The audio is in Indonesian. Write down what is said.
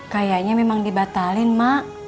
kayaknya memang dibatalin mak